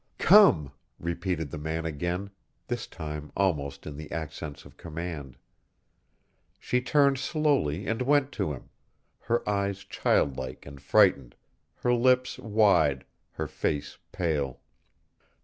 "Come!" repeated the man again, this time almost in the accents of command. She turned slowly and went to him, her eyes childlike and frightened, her lips wide, her face pale.